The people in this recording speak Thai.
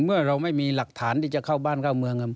เมื่อเราไม่มีหลักฐานที่จะเข้าบ้านเข้าเมือง